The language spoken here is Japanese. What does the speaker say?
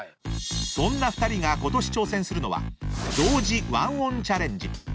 ［そんな２人が今年挑戦するのは同時ワンオンチャレンジ］